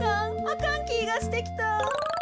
あかんきがしてきた。